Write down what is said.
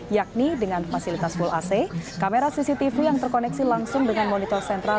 yakni dengan fasilitas full ac kamera cctv yang terkoneksi langsung dengan monitor sentral